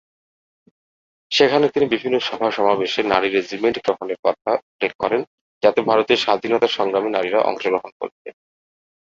সেখানে তিনি বিভিন্ন সভা-সমাবেশে নারী রেজিমেন্ট গ্রহণের কথা উল্লেখ করেন যাতে ভারতের স্বাধীনতা সংগ্রামে নারীরা অংশগ্রহণ করবে।